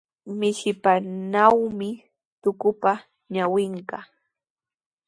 Mishipanawmi tukupa ñawinqa.